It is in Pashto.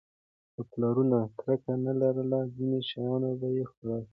که پلرونه کرکه نه لرله، ځینې شیان به یې خوړل.